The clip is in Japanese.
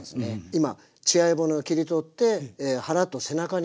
今血合い骨を切り取って腹と背中に分かれた状態です。